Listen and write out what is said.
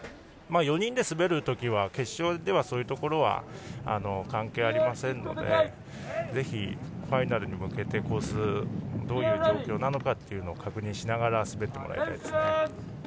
４人で滑るときは決勝ではそういうところは関係ありませんのでぜひファイナルに向けてコース、どういう状況なのか確認しながら滑ってもらいたいですね。